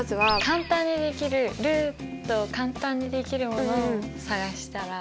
簡単にできるルートを簡単にできるものを探したら。